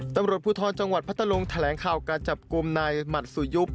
ตำรวจภูทรจังหวัดพัทธลุงแถลงข่าวการจับกลุ่มนายหมัดสุยุบ